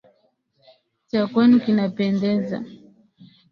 Cha kwenu kinapendeza.